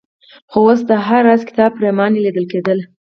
خو اوس د هر راز کتاب پرېماني لیدل کېدله.